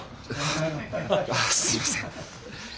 ああすいません。